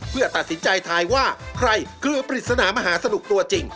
เพื่อตัดสินใจทายว่าใครเครือปริศนามหาสนุกตัวจริง